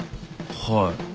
はい。